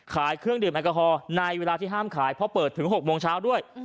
เครื่องดื่มแอลกอฮอลในเวลาที่ห้ามขายเพราะเปิดถึง๖โมงเช้าด้วย